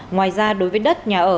ngoài ra đối với đất nhà ở